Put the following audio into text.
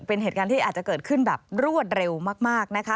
เป็นเหตุการณ์ที่อาจจะเกิดขึ้นแบบรวดเร็วมากนะคะ